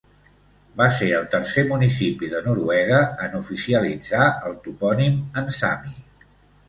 Va ser el tercer municipi de Noruega en oficialitzar el topònim en sami.